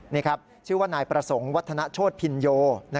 นี่ครับชื่อว่านายประสงค์วัฒนโชธพินโย